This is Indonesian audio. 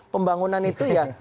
pembangunan itu ya